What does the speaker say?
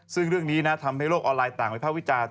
ซึ่งเรื่องนี้ทำให้โลกออนไลน์ต่างวิภาควิจารณ์